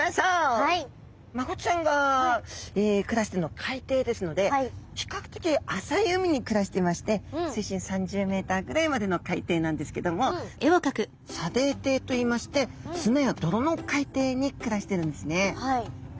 マゴチちゃんが暮らしているのは海底ですので比較的浅い海に暮らしていまして水深３０ｍぐらいまでの海底なんですけども砂泥底といいまして砂や泥の海底に暮らしてるんですね。